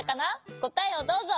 こたえをどうぞ！